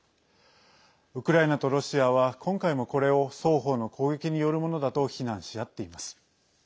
ウクライナとロシアは今回もこれを双方の攻撃によるものだと非難しあっています。